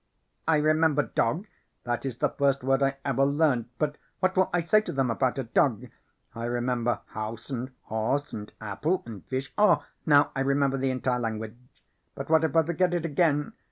"I remember dog, that is the first word I ever learned, but what will I say to them about a dog? I remember house and horse and apple and fish. Oh, now I remember the entire language. But what if I forget it again?